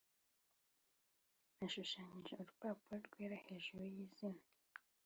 nashushanyije urupapuro rwera hejuru yizinga